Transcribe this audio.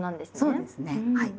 そうですねはい。